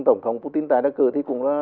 tổng thống putin tái đắc cử thì cũng là